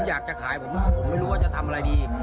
อยากจะขายผมไม่รู้ว่าจะทำอะไรดี